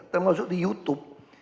termasuk di youtube